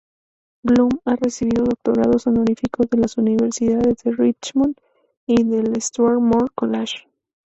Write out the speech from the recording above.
Bloom ha recibido doctorados honoríficos de la Universidad de Richmond y del Swarthmore College.